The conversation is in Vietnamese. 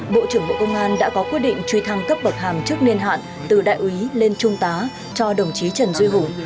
bộ trưởng bộ công an đã có quyết định truy thăng cấp bậc hàm trước niên hạn từ đại úy lên trung tá cho đồng chí trần duy hùng